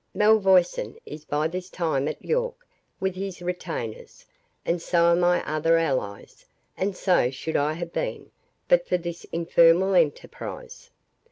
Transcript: —Malvoisin is by this time at York with his retainers, and so are my other allies; and so should I have been, but for this infernal enterprise."